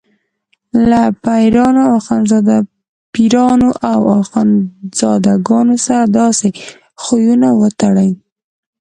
له پیرانو او اخندزاده ګانو سره داسې خویونه وتړي.